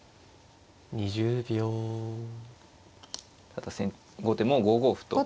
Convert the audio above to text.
ただ後手も５五歩と。